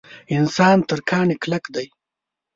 انسان تر کاڼي کلک دی.